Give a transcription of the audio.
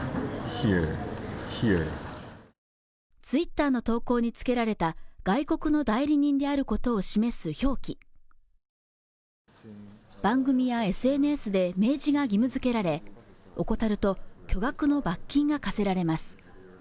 ツイッターの投稿に付けられた外国の代理人であることを示す表記番組やＳＮＳで明示が義務付けられ怠ると巨額の罰金が科せられます